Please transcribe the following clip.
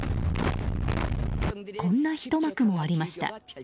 こんなひと幕もありました。